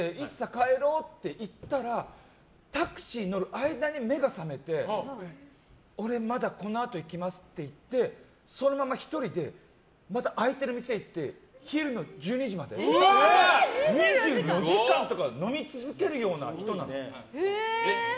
帰ろうって言ったらタクシーに乗る間に目が覚めて俺、まだこのあと行きますって言ってそのまま１人で空いてる店に行って昼の１２時まで、２４時間とか飲み続けるような人なの。